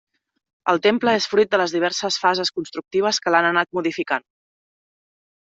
El temple és fruit de les diverses fases constructives que l'han anat modificant.